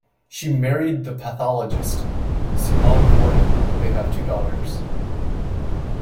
She married the pathologist Siamon Gordon; they have two daughters.